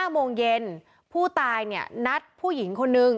โมงเย็นผู้ตายเนี่ยนัดผู้หญิงคนนึง